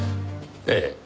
ええ。